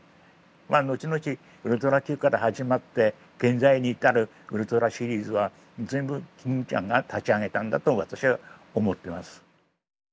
まあ後々「ウルトラＱ」から始まって現在に至るウルトラシリーズは全部金ちゃんが立ち上げたんだと私は思ってます。